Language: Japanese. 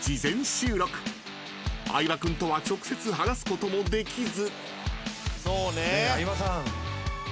［相葉君とは直接話すこともできず］